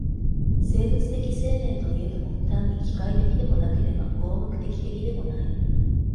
生物的生命といえども、単に機械的でもなければ合目的的でもない。